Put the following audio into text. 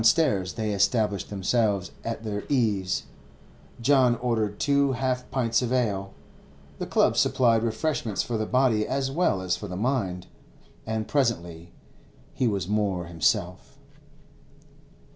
Downstairs they established themselves at their ease. John ordered two half pints of ale—the club supplied refreshment for the body as well as for the mind—and presently he was more himself.